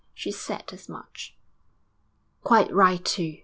'She's said as much.' 'Quite right too!'